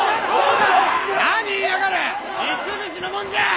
三菱のもんじゃ！